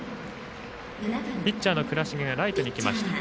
ピッチャーの倉重がライトに行きました。